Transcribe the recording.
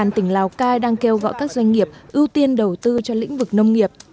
bàn tỉnh lào cai đang kêu gọi các doanh nghiệp ưu tiên đầu tư cho lĩnh vực nông nghiệp